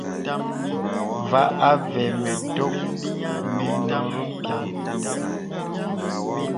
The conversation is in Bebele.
Vὰ àvə mə tòk mə nòrí mpiàŋ.